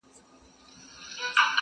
نه مي غاښ ته سي ډبري ټينگېدلاى-